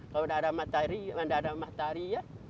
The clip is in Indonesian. kalau tidak ada matahari nggak ada matahari ya